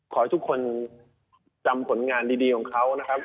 ขอให้ทุกคนจำผลงานดีของเขานะครับ